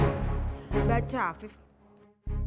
afif jangan dirondok